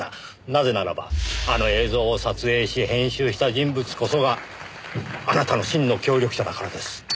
なぜならばあの映像を撮影し編集した人物こそがあなたの真の協力者だからです。